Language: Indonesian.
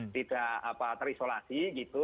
tidak terisolasi gitu